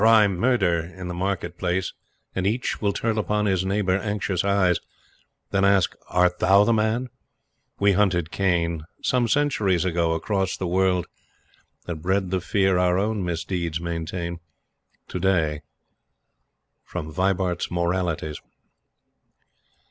Cry "Murder!" in the market place, and each Will turn upon his neighbor anxious eyes That ask: "Art thou the man?" We hunted Cain, Some centuries ago, across the world, That bred the fear our own misdeeds maintain To day. Vibart's Moralities.